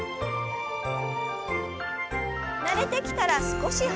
慣れてきたら少し速く。